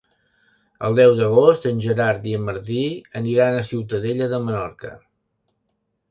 El deu d'agost en Gerard i en Martí aniran a Ciutadella de Menorca.